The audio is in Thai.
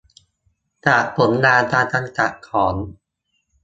จากผลงานการกำกับของ